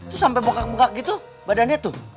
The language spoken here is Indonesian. tuh sampe bengkak bengkak gitu badannya tuh